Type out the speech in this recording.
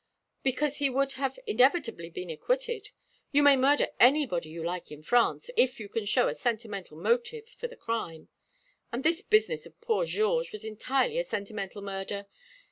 "Because he would have inevitably been acquitted. You may murder anybody you like in France, if you can show a sentimental motive for the crime; and this business of poor Georges was entirely a sentimental murder.